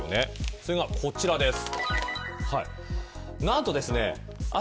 それがこちらです。